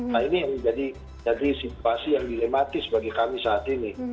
nah ini yang menjadi situasi yang dilematis bagi kami saat ini